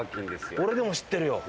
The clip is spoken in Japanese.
俺でも知ってるよ。